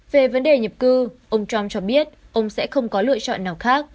về vấn đề nhập cư ông trump cho biết ông sẽ không có lựa chọn nào khác